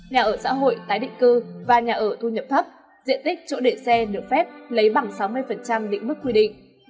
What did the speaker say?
nhà ở xã hội tái định cư và nhà ở thu nhập thấp diện tích chỗ để xe được phép lấy bằng sáu mươi định mức quy định